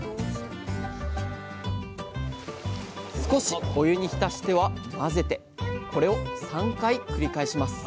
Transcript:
少しお湯に浸しては混ぜてこれを３回繰り返します。